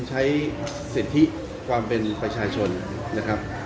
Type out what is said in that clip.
ใช้สิทธิความเป็นประชาชนนะครับ